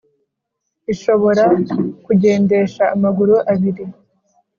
Ishobora kugendesha amaguru abiri